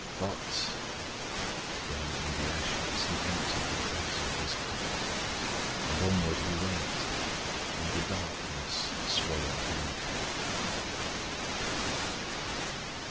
But—" ... Then in the ashes he emptied the dregs of his cup, And onward he went, and the darkness swallowed him up.